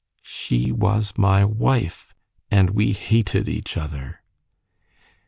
She was my wife, and we hated each other.